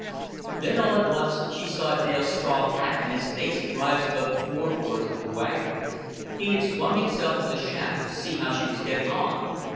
Then all at once she saw Dale's straw hat and face rise above the fore boards of the wagon. He had swung himself on the shaft to see how she was getting on.